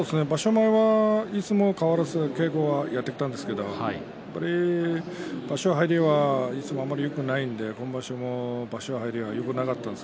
前はいい相撲変わらず稽古はやっていたんですけど場所入りはいつもよくないので今場所も場所入りはよくなかったです。